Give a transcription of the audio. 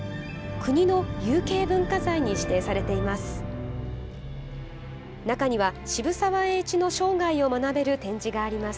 国の有形文化財に指定されています。